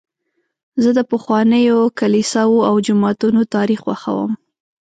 زه د پخوانیو کلیساوو او جوماتونو تاریخ خوښوم.